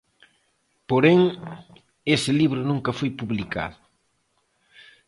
Porén, ese libro nunca foi publicado.